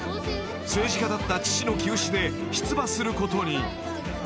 ［政治家だった父の急死で出馬することに］